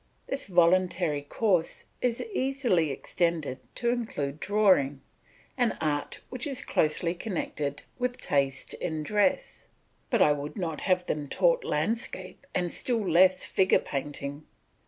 This voluntary course is easily extended to include drawing, an art which is closely connected with taste in dress; but I would not have them taught landscape and still less figure painting.